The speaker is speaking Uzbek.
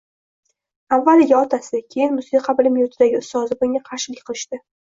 Avvaliga otasi, keyin musiqa bilim yurtidagi ustozi bunga qarshilik qilishdi.